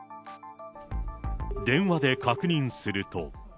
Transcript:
電話で確認すると。